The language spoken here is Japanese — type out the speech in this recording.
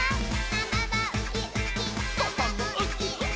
「ママはウキウキ」「パパもウキウキ」